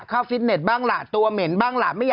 ซื้อแดนเธอบอกตัวเหม็นไง